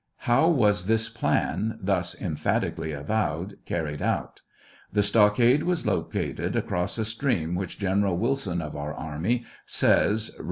How was this plan, thus emphatically avowed, carried out 1 The stockade was located across a stream which General Wilson of our army says (Record, p.